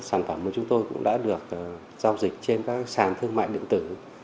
sản phẩm của chúng tôi cũng đã được giao dịch trên các sản thương mạnh điện tử